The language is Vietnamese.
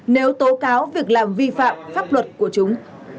nếu tố cáo việc làm vi phạm pháp luật của chúng